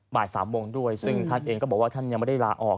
บ่าย๓โมงด้วยซึ่งท่านเองก็บอกว่าท่านยังไม่ได้ลาออก